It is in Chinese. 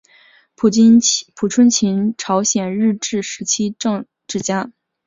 朴春琴朝鲜日治时期政治家。